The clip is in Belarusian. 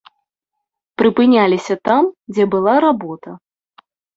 Прыпыняліся там, дзе была работа.